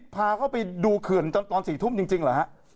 พาเข้าไปดูเขื่อนตอน๔ทุ่มจริงเหรอฮะ